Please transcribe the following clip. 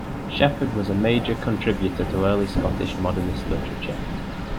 Shepherd was a major contributor to early Scottish Modernist literature.